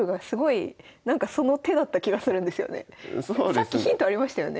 さっきヒントありましたよね